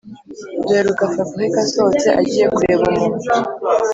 duheruka fabric asohotse agihe kureba umuntu